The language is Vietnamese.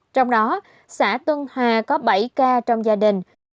trong đó xã tân hòa có bảy ca trong gia đình